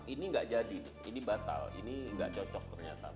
ini enggak jadi ini batal ini enggak cocok ternyata buat peneliti